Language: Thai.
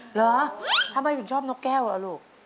เหรอทำไมถึงชอบนกแก้วล่ะลูก